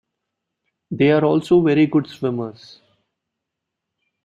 They are also very good swimmers.